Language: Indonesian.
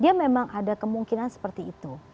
dia memang ada kemungkinan seperti itu